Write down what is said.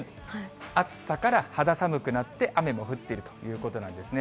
暑さから肌寒くなって雨も降っているということなんですね。